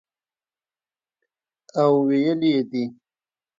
او ویلي یې دي